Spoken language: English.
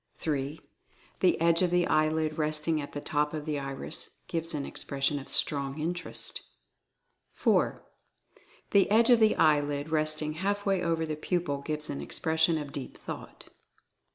3. The edge of the eyelid resting at the top of the iris gives an expression of Strong Interest. 4. The edge of the eyelid resting half way over the pupil gives an expression of Deep Thought.